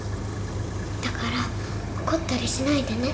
だから怒ったりしないでね